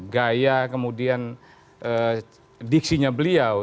gaya kemudian diksinya beliau